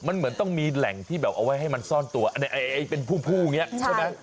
มันเหมือนต้องมีแหล่งที่แบบเอาไว้ให้มันซ่อนตัวเป็นผู้อย่างนี้ใช่ไหม